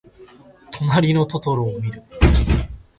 となりのトトロをみる。